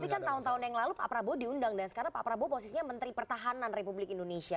tapi kan tahun tahun yang lalu pak prabowo diundang dan sekarang pak prabowo posisinya menteri pertahanan republik indonesia